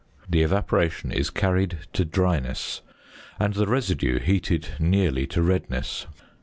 The evaporation is carried to dryness; and the residue heated nearly to redness.